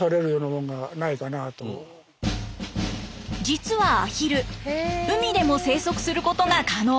実はアヒル海でも生息することが可能。